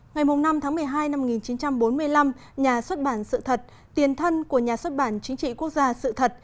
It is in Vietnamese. ngày năm tháng một mươi hai năm một nghìn chín trăm bốn mươi năm nhà xuất bản sự thật tiền thân của nhà xuất bản chính trị quốc gia sự thật